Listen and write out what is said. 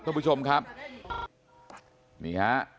ท่านผู้ชมครับนี่ฮะ